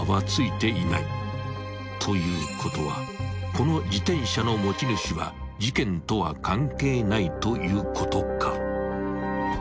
ということはこの自転車の持ち主は事件とは関係ないということか］